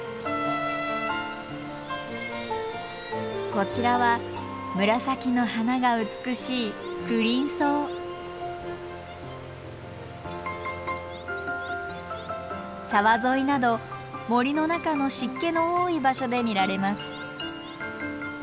こちらは紫の花が美しい沢沿いなど森の中の湿気の多い場所で見られます。